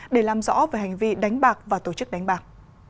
để làm rõ về hành vi đánh bạc và tổ chức đánh bạc